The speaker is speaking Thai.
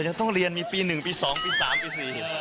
เรายังต้องเลียนมีปีหนึ่งปีสองปีสามปีสี่